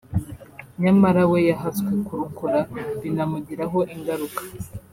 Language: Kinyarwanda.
nyamara we yahaswe kurukora binamugiraho ingaruka